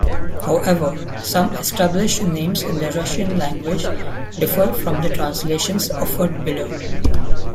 However, some established names in the Russian language differ from the translations offered below.